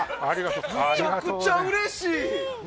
むちゃくちゃうれしい！